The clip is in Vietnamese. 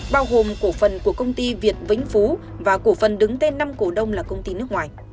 bao gồm cổ phần của công ty việt vĩnh phú và cổ phần đứng tên năm cổ đông là công ty nước ngoài